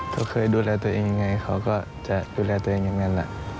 เขาเคยดูแลตัวเองยังไงเขาก็จะดูแลตัวเองอย่างนั้นแหละ